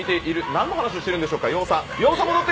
何の話をしているんでしょうか？